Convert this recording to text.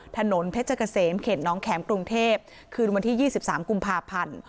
ถนนเพชรเกษมเขตน้องแข็มกรุงเทพคืนวันที่๒๓กุมภาพันธ์